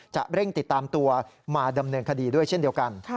จะเร่งติดตามตัวมาดำเนินคดีด้วยเช่นเดียวกัน